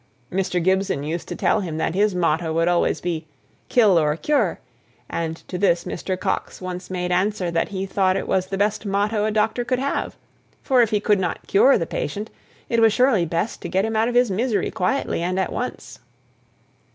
Mr. Gibson used to tell him that his motto would always be "kill or cure," and to this Mr. Coxe once made answer that he thought it was the best motto a doctor could have; for if he could not cure the patient, it was surely best to get him out of his misery quietly, and at once.